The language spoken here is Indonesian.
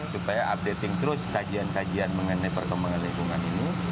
supaya updating terus kajian kajian mengenai perkembangan lingkungan ini